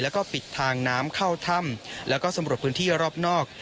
แล้วก็ปิดทางน้ำเข้าถ้ำแล้วก็สำรวจพื้นที่รอบนอก